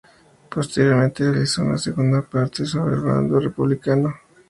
Posteriormente realizó una segunda parte sobre el bando republicano.